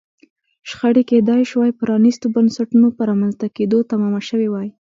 شخړې کېدای شوای پرانیستو بنسټونو په رامنځته کېدو تمامه شوې وای.